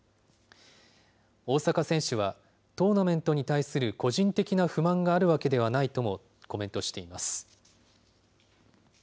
大坂選手は、トーナメントに対する個人的な不満があるわけではないともコメントしています。